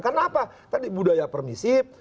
karena apa tadi budaya permisif